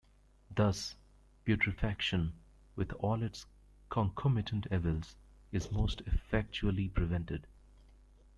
Thus, putrefaction with all its concomitant evils... is most effectually prevented.